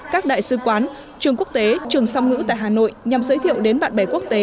các đại sứ quán trường quốc tế trường song ngữ tại hà nội nhằm giới thiệu đến bạn bè quốc tế